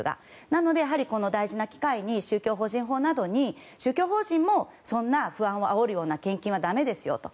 なので、この大事な機会に宗教法人法なので宗教法人もそんな不安をあおるような献金はだめですよと。